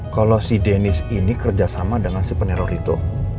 kalo si dennis ini kerjasama dengan si peneror itu